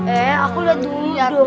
eh aku lihat dulu